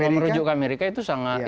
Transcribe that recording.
kalau merujuk ke amerika itu sangat